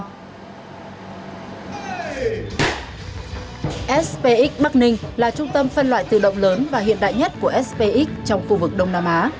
spx bắc ninh là trung tâm phân loại tự động lớn và hiện đại nhất của spx trong khu vực đông nam á